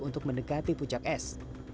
untuk mendekati puncak es